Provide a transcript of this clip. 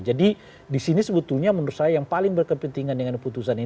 jadi disini sebetulnya menurut saya yang paling berkepentingan